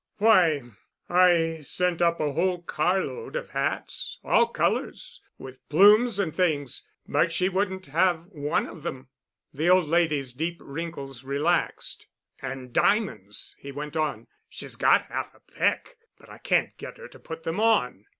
Why, I sent up a whole carload of hats—all colors, with plumes and things, but she wouldn't have one of them." The old lady's deep wrinkles relaxed. "And diamonds——" he went on. "She's got half a peck, but I can't get her to put them on."